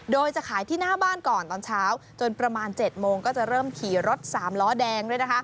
โดยจะขายที่หน้าบ้านก่อนตอนเช้าจนประมาณ๗โมงก็จะเริ่มขี่รถสามล้อแดงด้วยนะคะ